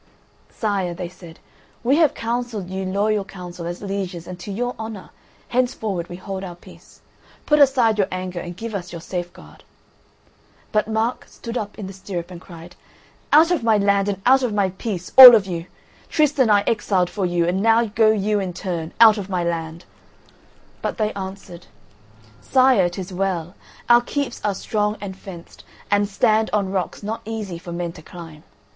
"Sire," they said, "we have counselled you loyal counsel as lieges and to your honour; henceforward we hold our peace. Put aside your anger and give us your safe guard." But Mark stood up in the stirrup and cried: "Out of my land, and out of my peace, all of you! Tristan I exiled for you, and now go you in turn, out of my land!" But they answered: "Sire, it is well. Our keeps are strong and fenced, and stand on rocks not easy for men to climb."